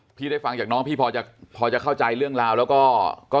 พี่ได้ฟังจากน้องพี่พอจะเข้าใจเรื่องราวแล้วก็